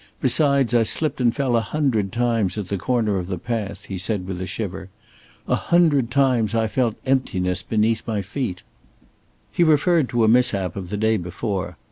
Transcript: Besides, I slipped and fell a hundred times at the corner of the path," he said, with a shiver. "A hundred times I felt emptiness beneath my feet." He referred to a mishap of the day before.